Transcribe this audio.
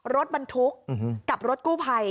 รถบันทุกกับรถกู้ไพร